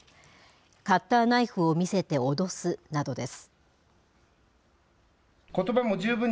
カッターナイフを見せて脅すなどです。